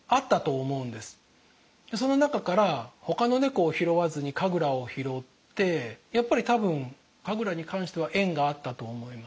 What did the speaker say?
その中からほかの猫を拾わずにカグラを拾ってやっぱり多分カグラに関しては縁があったと思います。